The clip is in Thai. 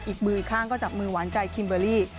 อีกมืออีกข้างก็จับมือหวานใจคิมเบอร์รี่